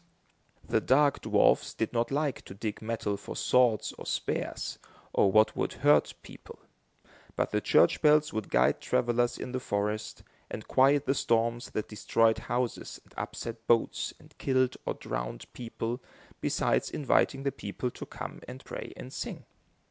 The dark dwarfs did not like to dig metal for swords or spears, or what would hurt people; but the church bells would guide travellers in the forest, and quiet the storms, that destroyed houses and upset boats and killed or drowned people, besides inviting the people to come and pray and sing.